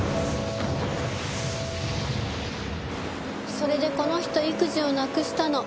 それでこの人意気地をなくしたの。